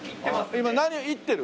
今何を煎ってる？